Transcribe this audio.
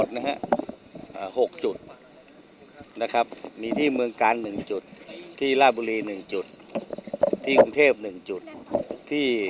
วันนี้ตรวจค้นทั้งหมดนะครับ๖จุดนะครับมีที่เมืองการ๑จุดที่ล่าบุรี๑จุดที่กรุงเทพ๑จุดที่